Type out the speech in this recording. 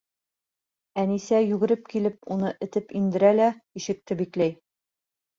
Әнисә йүгереп килеп уны этеп индерә лә ишекте бикләй.